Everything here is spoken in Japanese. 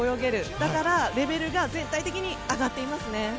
だから、レベルが全体的に上がってますね。